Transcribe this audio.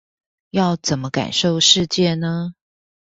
要怎麼感受世界呢？